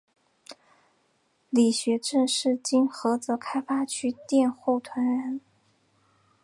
李学政是今菏泽开发区佃户屯人。